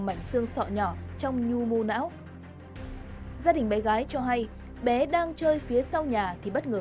vết thương sọ nhỏ trong nhu mu não gia đình bé gái cho hay bé đang chơi phía sau nhà thì bất ngờ